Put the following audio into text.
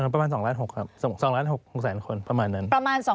ประมาณ๒๖๐๐ครับ๒๖๐๐๐คนประมาณนั้น